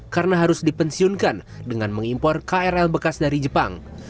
karena harus dipensiunkan dengan mengimpor krl bekas dari jepang